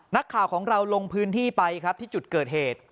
นักข่าวของเราลงพื้นที่ไปครับที่จุดเกิดเหตุ